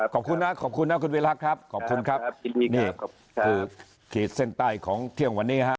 ขอบคุณนะคุณวิล่าครับนี่คือขีดเส้นใต้ของเที่ยงวันนี้ฮะ